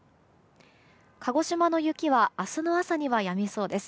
鹿児島の雪は明日の朝には、やみそうです。